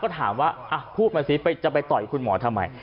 ก็ถามว่าพูดมาสิจะไปต่อยคุณหมอทำไม